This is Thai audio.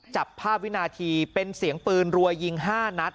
จับภาพวินาทีเป็นเสียงปืนรัวยิง๕นัด